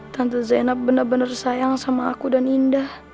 tante zainal bener bener sayang sama aku dan indah